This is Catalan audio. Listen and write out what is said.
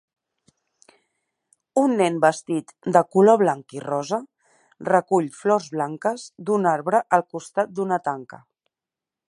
Un nen vestit de color blanc i rosa recull flors blanques d'un arbre al costat d'una tanca.